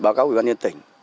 báo cáo ủy ban nhân tỉnh